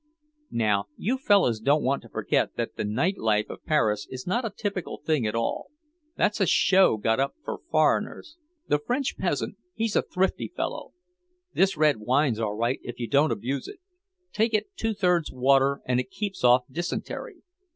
"Now you fellows don't want to forget that the night life of Paris is not a typical thing at all; that's a show got up for foreigners.... The French peasant, he's a thrifty fellow.... This red wine's all right if you don't abuse it; take it two thirds water and it keeps off dysentery....